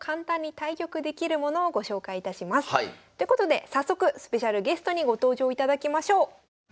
ということで早速スペシャルゲストにご登場いただきましょう。